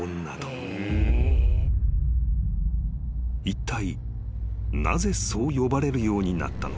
［いったいなぜそう呼ばれるようになったのか？］